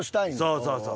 そうそうそう。